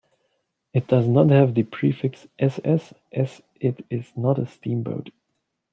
It does not have the prefix "S. S.", as it is not a steamboat.